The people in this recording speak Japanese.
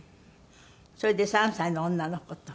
それで３歳の女の子と。